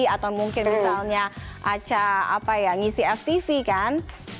atau mungkin misalnya aca ngisi ftv kan